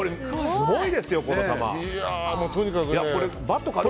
すごいですよ、この球。